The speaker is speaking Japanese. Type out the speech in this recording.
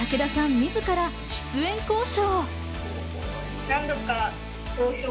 自ら出演交渉。